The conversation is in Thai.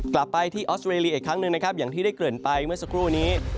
กลับไปที่ออสเตรเลียอีกครั้งหนึ่งนะครับอย่างที่ได้เกริ่นไปเมื่อสักครู่นี้